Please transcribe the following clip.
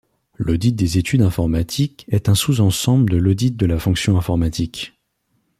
L'audit des études informatiques est un sous-ensemble de l'audit de la fonction informatique.